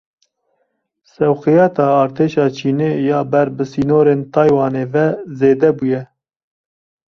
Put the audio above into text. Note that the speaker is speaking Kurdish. Sewqiyata Artêşa Çînê ya ber bi sînorên Taywanê ve zêde bûye.